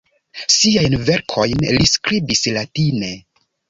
Siajn verkojn li skribis latine.